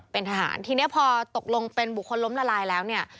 เป็นทหารทีนี้พอตกลงเป็นบุคคลล้มละลายแล้วเนี่ย